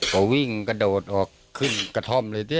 ก็วิ่งกระโดดออกขึ้นกระท่อมเลย